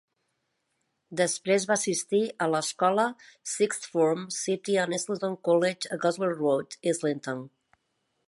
Després va assistir a l'escola 'sixth form' City and Islington College a Goswell Road, Islington.